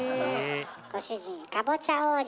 ご主人かぼちゃ王子。